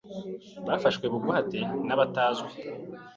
bafashwe bugwate nabatazwi